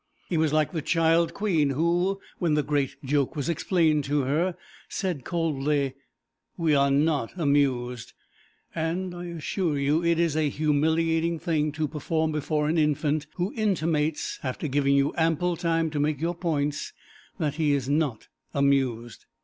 He was like the child queen who, when the great joke was explained to her, said coldly, "We are not amused," and, I assure you, it is a humiliating thing to perform before an infant who intimates, after giving you ample time to make your points, that he is not amused.